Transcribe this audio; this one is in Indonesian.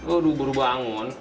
aduh baru bangun